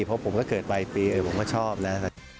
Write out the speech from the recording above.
เพราะผมก็เกิดปลายปีผมก็ชอบนะ